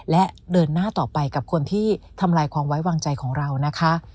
และเดินหน้าต่อไปกับคนที่ทำลายความไว้วางใจของเรานะคะ